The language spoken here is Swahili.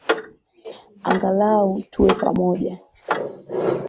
Angalau tuwe pamoja